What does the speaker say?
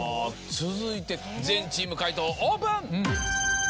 続いて全チーム解答オープン！